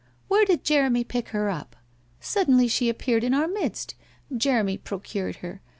Where did Jeremy pick her up? Suddenly she appeared in our midst. Jeremy procured her.